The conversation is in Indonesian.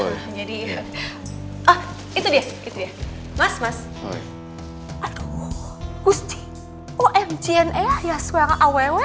itu dia itu dia